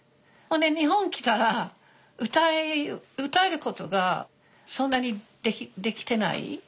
ほんで日本来たら歌えることがそんなにできてない。